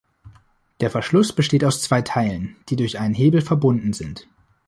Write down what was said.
Der Verschluss besteht aus zwei Teilen, die durch einen Hebel verbunden sind.